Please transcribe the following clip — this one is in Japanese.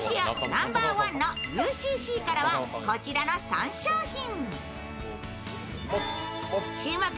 ナンバーワンのＵＣＣからはこちらの３商品。